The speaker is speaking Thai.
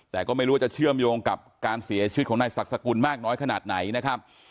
แต่ก็ไม่รู้ว่าจะเชื่อมโยงกับการเสียชีวิตของนายศักดิ์สกุลมากน้อยขนาดไหนนะครับ